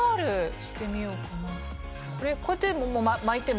これこうやって巻いてもできる。